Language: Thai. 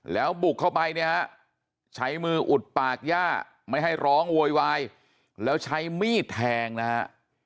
แล้วบุกเข้าไปเนี่ยฮะใช้มืออุดปากย่าไม่ให้ร้องโวยวายแล้วใช้มีดแทงนะฮะ